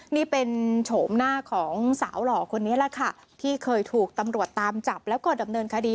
นี่เป็นโฉมหน้าของสาวหล่อคนนี้แหละค่ะที่เคยถูกตำรวจตามจับแล้วก็ดำเนินคดี